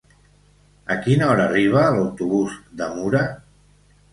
A quina hora arriba l'autobús de Mura?